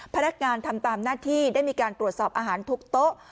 พนักงานทำตามหน้าที่ได้มีการตรวจสอบอาหารทุกโต๊ะ